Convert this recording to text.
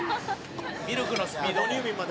「ミルクのスピードも」